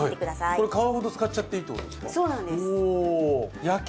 これ皮ごと使っちゃっていいってことですか？